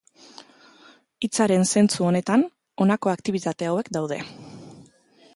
Hitzaren zentzu honetan, honako aktibitate hauek daude.